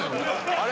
あれ？